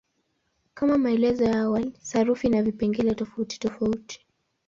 Kama maelezo ya awali, sarufi ina vipengele tofautitofauti.